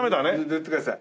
塗ってください。